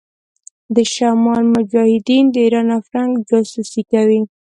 د شمال مجاهدين د ايران او فرنګ جاسوسي کوي.